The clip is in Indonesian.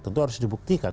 tentu harus dibuktikan